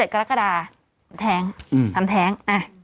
๒๗กรกฎาทำแท้ง